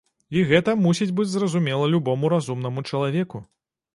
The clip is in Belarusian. І гэта мусіць быць зразумела любому разумнаму чалавеку.